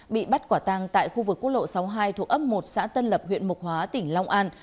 bị bắt quả tang tại khu vực quốc lộ sáu mươi hai thuộc ấp một xã tân lập huyện mục hóa tỉnh long an